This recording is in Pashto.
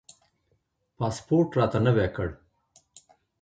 پاسپورټ راته نوی کړ.